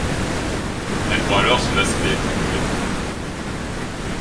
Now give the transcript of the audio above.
Elle prend alors son aspect actuel.